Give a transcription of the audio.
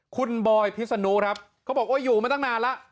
คุณบอยพิษณุครับเขาบอกโอ้ยอยู่ไม่ตั้งนานล่ะ